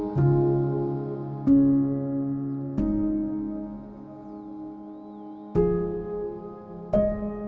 โปรดติดตามตอนต่อไป